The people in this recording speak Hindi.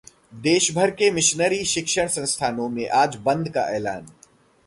देशभर के मिशनरी शिक्षण संस्थानों में आज बंद का ऐलान